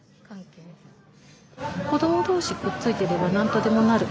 子ども同士くっついてれば何とでもなる。